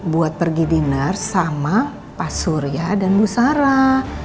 buat pergi dinner sama pak surya dan bu sarah